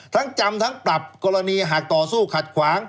ทั้งจำทั้งปรับกรณีหากต่อสู้ขัดขวาง